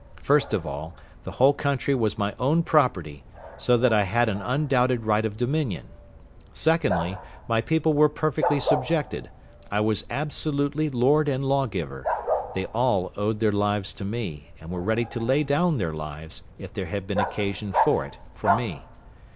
First of all, the whole country was my own property, so that I had an undoubted right of dominion. Secondly, my people were perfectly subjected—I was absolutely lord and lawgiver—they all owed their lives to me, and were ready to lay down their lives, if there had been occasion for it, for me.